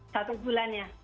satu bulan ya